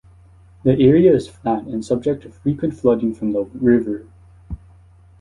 The area is flat and subject to frequent flooding from the river.